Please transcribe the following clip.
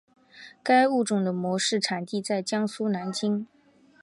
该物种的模式产地在江苏南京。